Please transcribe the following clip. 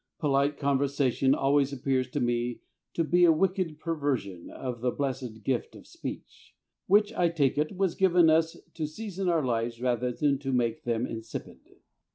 Polite conversation always appears to me to be a wicked perversion of the blessed gift of speech, which, I take it, was given us to season our lives rather than to make them insipid.